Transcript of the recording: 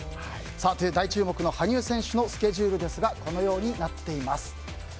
大注目の羽生選手のスケジュールですがこのようになっています。